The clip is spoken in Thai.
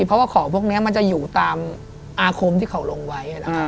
เพราะว่าของพวกนี้มันจะอยู่ตามอาคมที่เขาลงไว้